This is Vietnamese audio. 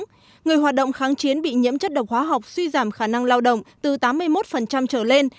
người hoạt động kháng chiến bị nhiễm chất độc hóa học suy giảm khả năng lao động từ tám mươi một trở lên